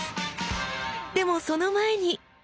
でもその前に。